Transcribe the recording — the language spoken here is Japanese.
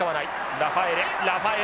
ラファエレ！